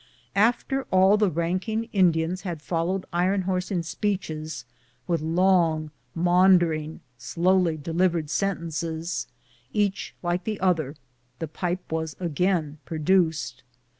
After all the ranking Indians had fol lowed Iron Horse in speeches, with long, maundering, slowly delivered sentences, each like the other, the pipe was again produced.